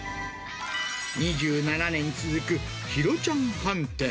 ２７年続く広ちゃん飯店。